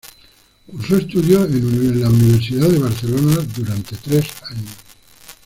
Cursó estudios en Universidad de Barcelona durante tres años.